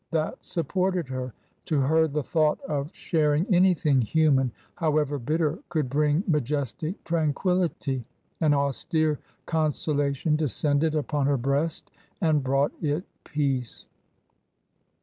That supported her; to her the thought of sharing anything human, however bitter, could bring majestic tranquillity; an austere consolation descended upon her breast and brought it peace.